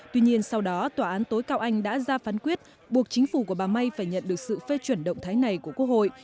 tuy nhiên sau đó tòa án tối cao anh đã ra phán quyết buộc chính phủ của bà may phải nhận được sự phê chuẩn động thái này của quốc hội